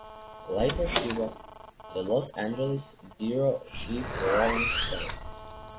Later she was the Los Angeles bureau chief for "Rolling Stone".